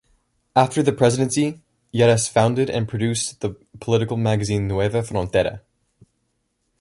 After the presidency, Lleras founded and produced the political magazine "Nueva Frontera".